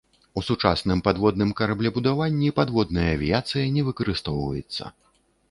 У сучасным падводным караблебудаванні падводная авіяцыя не выкарыстоўваецца.